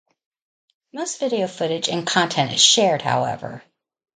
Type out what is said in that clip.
Most video footage and content is shared, however.